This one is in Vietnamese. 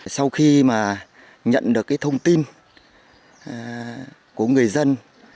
sau khi mà nhận được cái thông tin của người dân